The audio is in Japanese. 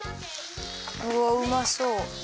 うわうまそう。